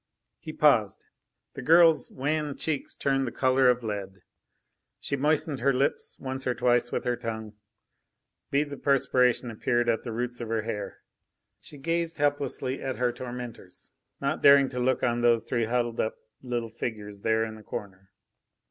He paused, the girl's wan cheeks turned the colour of lead. She moistened her lips once or twice with her tongue; beads of perspiration appeared at the roots of her hair. She gazed helplessly at her tormentors, not daring to look on those three huddled up little figures there in the corner.